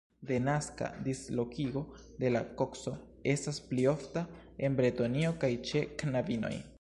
Denaska dislokigo de la kokso estas pli ofta en Bretonio kaj ĉe knabinoj.